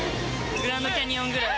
グランドキャニオンぐらい。